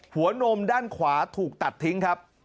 นมด้านขวาถูกตัดทิ้งครับ